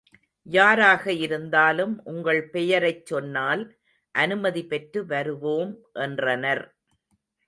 யாராக இருந்தாலும் உங்கள் பெயரைச் சொன்னால் அனுமதி பெற்று வருவோம் என்றனர்.